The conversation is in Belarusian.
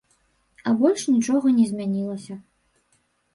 А больш нічога не змянілася.